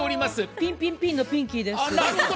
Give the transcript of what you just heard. ピンピンピンのピンキー。